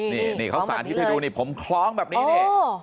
นี่นี่นี่เขาสาธิตให้ดูผมคล้องแบบนี้